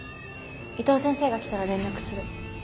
伊藤先生が来たら連絡する。